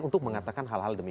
untuk mengatakan hal hal demikian